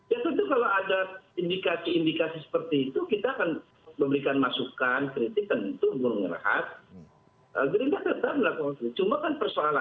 ya tentu kalau ada indikasi indikasi seperti itu kita akan memberikan kesempatan